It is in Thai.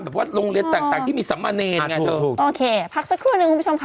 แบบว่าโรงเรียนต่างต่างที่มีสมเมินไงพักสักครู่หนึ่งคุณผู้ชมค่ะ